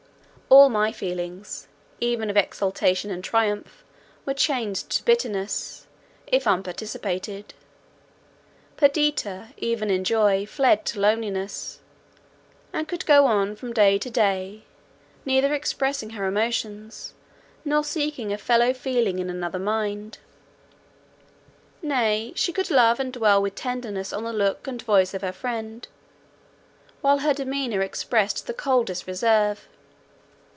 All my feelings, even of exultation and triumph, were changed to bitterness, if unparticipated; Perdita, even in joy, fled to loneliness, and could go on from day to day, neither expressing her emotions, nor seeking a fellow feeling in another mind. Nay, she could love and dwell with tenderness on the look and voice of her friend, while her demeanour expressed the coldest reserve.